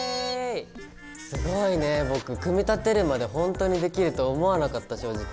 すごいね僕組み立てるまでほんとにできると思わなかった正直。